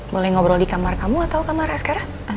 boleh ngobrol di kamar kamu atau kamar askara